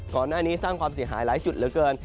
ก่อนหน้านี้สร้างความเสียหายหลายจุดเหลือเกิน